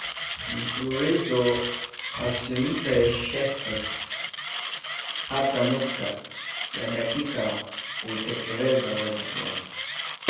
mfululizo asimpe sheikh hata nukta ya dakika kuutekeleza wajibu wake